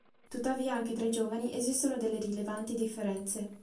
Tuttavia anche tra i giovani esistono delle rilevanti differenze.